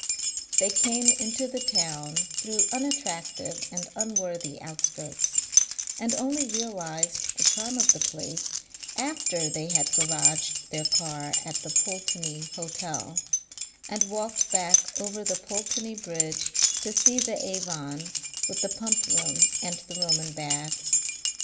They came into the town through unattractive and unworthy outskirts, and only realized the charm of the place after they had garaged their car at the Pulteney Hotel and walked back over the Pulteney Bridge to see the Avon with the Pump Room and the Roman Baths.